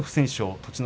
栃ノ